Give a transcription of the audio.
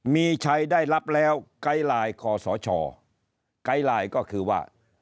มีใช้ได้รับแล้วไกร่คศไกร่ก็คือว่า